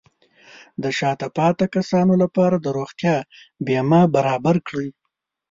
د شاته پاتې کسانو لپاره د روغتیا بیمه برابر کړئ.